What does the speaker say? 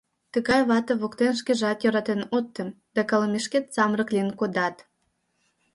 Тыгай вате воктен шкежат йӧратен от тем да колымешкет самырык лийын кодат.